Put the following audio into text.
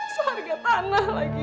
seharga tanah lagi